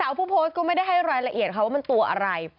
ผู้โพสต์ก็ไม่ได้ให้รายละเอียดค่ะว่ามันตัวอะไร